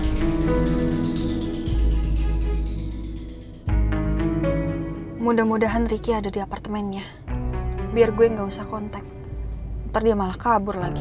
hai mudah mudahan riki ada di apartemennya biar gue nggak usah kontak ntar malah kabur lagi